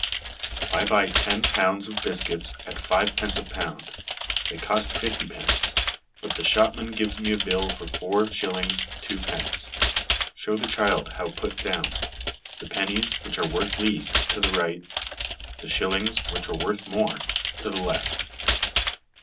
I buy ten pounds of biscuits at fivepence a pound ; they cost fifty pence, but the shopman gives me a bill for 4^. 2d. ; show the child how put down : the pennies, which are worth least, to the right; the shillings, which are worth more, to the left.